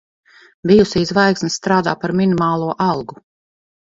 Bijusī zvaigzne strādā par minimālo algu.